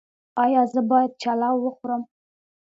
ایا زه باید چلو وخورم؟